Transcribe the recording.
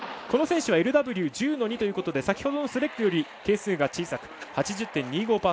この選手はＬＷ１０‐２ということで先ほどのスレッグより係数が小さく８０．２５％。